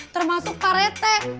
termasuk pak rete